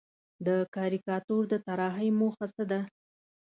د کاریکاتور د طراحۍ موخه څه ده؟